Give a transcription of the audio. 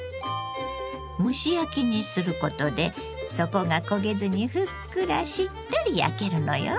蒸し焼きにすることで底が焦げずにふっくらしっとり焼けるのよ。